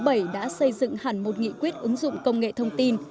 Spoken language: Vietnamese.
tổ dân phố số bảy đã xây dựng hẳn một nghị quyết ứng dụng công nghệ thông tin